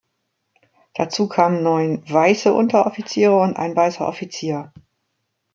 Dazu kamen neun weiße Unteroffiziere und ein weißer Offizier.